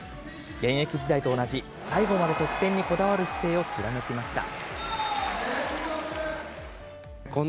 現役時代と同じ、最後まで得点にこだわる姿勢を貫きました。